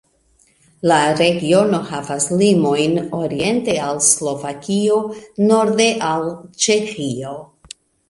La regiono havas limojn oriente al Slovakio, norde al Ĉeĥio.